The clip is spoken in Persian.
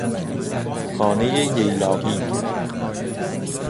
خانهٔ ییلاقی